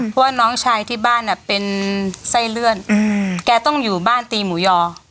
เพราะว่าน้องชายที่บ้านเป็นไส้เลื่อนแกต้องอยู่บ้านตีหมูยอ